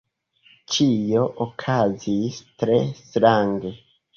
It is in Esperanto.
Ĉio okazis tre strange.